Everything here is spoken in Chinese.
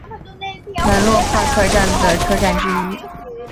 门洛帕克站的车站之一。